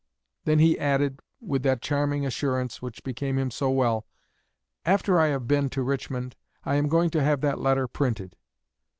Then he added, with that charming assurance which became him so well, 'After I have been to Richmond, I am going to have that letter printed.'"